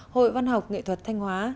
hội văn học nghệ thuật thanh hóa